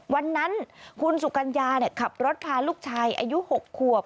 วันนั้นคุณสุกัญญาขับรถพาลูกชายอายุ๖ขวบ